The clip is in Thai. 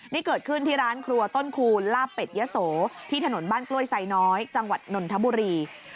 นี่เกิดขึ้นที่ร้านครัวต้นคูณลาบเป็ดยะโสที่ถนนบ้านกล้วยไซน้อยจังหวัดนนทบุรี